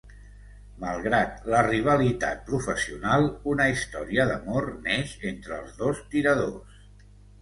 Malgrat la rivalitat professional, una història d'amor neix entre els dos tiradors.